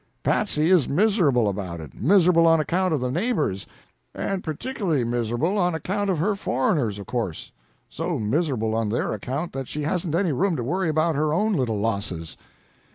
Patsy is miserable about it; miserable on account of the neighbors, and particularly miserable on account of her foreigners, of course; so miserable on their account that she hasn't any room to worry about her own little losses."